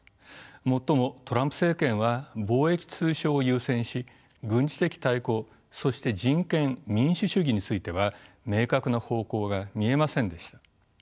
もっともトランプ政権は貿易・通商を優先し軍事的対抗そして人権・民主主義については明確な方向が見えませんでした。